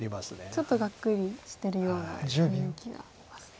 ちょっとがっくりしてるような雰囲気がありますね。